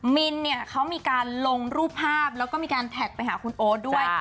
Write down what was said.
มินเนี่ยเขามีการลงรูปภาพแล้วก็มีการแท็กไปหาคุณโอ๊ตด้วย